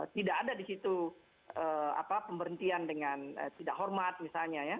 tidak ada di situ pemberhentian dengan tidak hormat misalnya ya